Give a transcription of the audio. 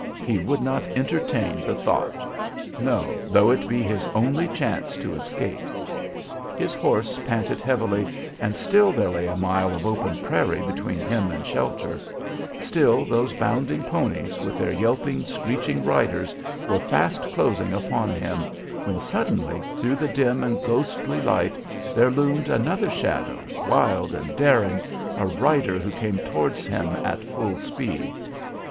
He would not entertain the thought. No, though it be his only chance to escape! His horse panted heavily, and still there lay a mile of open prairie between him and shelter; still those bounding ponies, with their yelping, screeching riders, were fast closing upon him, when suddenly through the dim and ghostly light there loomed another shadow, wild and daring, a rider who came towards him at full speed.